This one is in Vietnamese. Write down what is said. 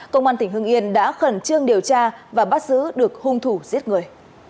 công an tỉnh hưng yên đã khẩn trương điều tra và bắt giữ được hung thủ giết người